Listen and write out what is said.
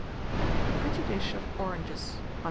A PRETTY DISH OF ORANGES. 1466.